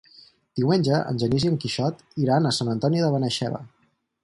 Diumenge en Genís i en Quixot iran a Sant Antoni de Benaixeve.